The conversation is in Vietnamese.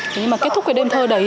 nhưng mà kết thúc cái đêm thơ đấy